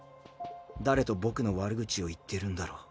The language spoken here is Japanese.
誰と僕の悪口を言ってるんだろう。